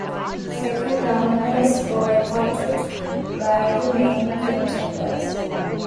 The second round was boycotted by the main contenders.